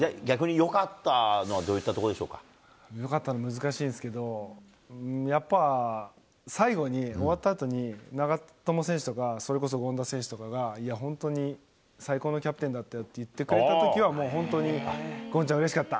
よかったのは難しいんですけど、やっぱ、最後に、終わったあとに、長友選手とか、それこそ権田選手とかが、いや、本当に最高のキャプテンだったよって言ってくれたときはもう、本当に、ごんちゃん、うれしかった。